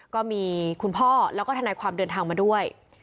ก็มีคุณพ่อแล้วก็ทนายความเดินทางมาด้วย